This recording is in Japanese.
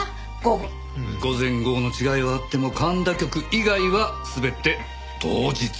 午前午後の違いはあっても神田局以外は全て同日。